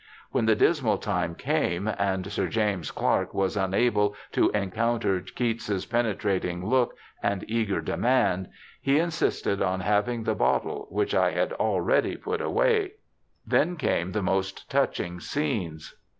When the dismal time came, and Sir James Clark was unable to encounter Keats's penetrating look and eager demand, he insisted on having the bottle, which I had JOHN KEATS 53 already put away. Then came the most touching scenes.